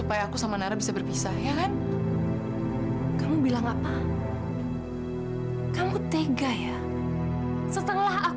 aku nggak mau kamu difitnah